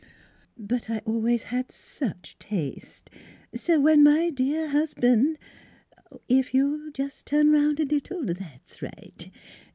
" But I always had such taste, so when my dear husban' If you'll jus' turn 'round a little; that's right.